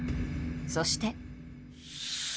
そして。